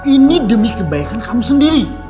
ini demi kebaikan kamu sendiri